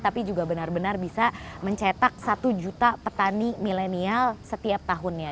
tapi juga benar benar bisa mencetak satu juta petani milenial setiap tahunnya